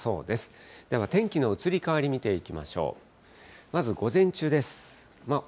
では天気の移り変わり、見ていきましょう。